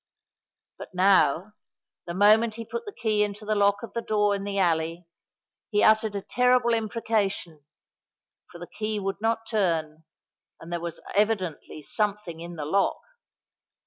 But now, the moment he put the key into the lock of the door in the alley, he uttered a terrible imprecation—for the key would not turn, and there was evidently something in the lock!